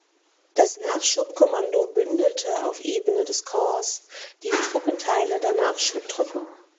Das Nachschubkommando bündelte auf Ebene des Korps die Truppenteile der Nachschubtruppe.